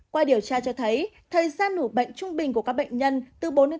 qua điều tra cho thấy thời gian nổ bệnh trung bình của các bệnh nhân từ bốn đến tám giờ